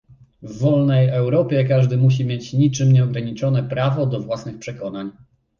W wolnej Europie każdy musi mieć niczym nieograniczone prawo do własnych przekonań